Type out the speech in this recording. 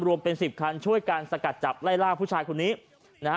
รวมเป็นสิบคันช่วยกันสกัดจับไล่ล่าผู้ชายคนนี้นะฮะ